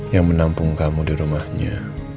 yang menampung kamu di rumahnya